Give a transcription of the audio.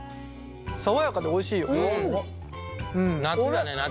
爽やかでおいしいよ。夏だね夏。